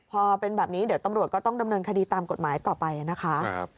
พอเป็นแบบนี้เดี๋ยวตำรวจก็ต้องดำเนินคดีตามกฎหมายต่อไปนะคะ